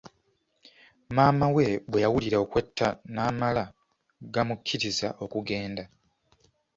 Maama we bweyawulira okwetta n’amala gamukkiriza okugenda.